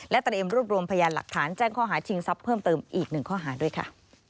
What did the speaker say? เตรียมรวบรวมพยานหลักฐานแจ้งข้อหาชิงทรัพย์เพิ่มเติมอีกหนึ่งข้อหาด้วยค่ะ